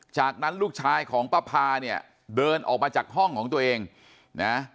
จากนั้นลูกชายของป้าพาเนี่ยเดินออกมาจากห้องของตัวเองนะ